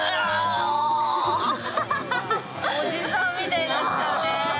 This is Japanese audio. おじさんみたいになっちゃうね。